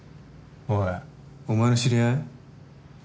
おいお前の知り合い？